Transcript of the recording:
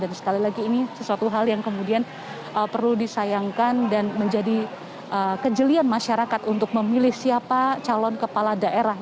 dan sekali lagi ini sesuatu hal yang kemudian perlu disayangkan dan menjadi kejelian masyarakat untuk memilih siapa calon kepala daerah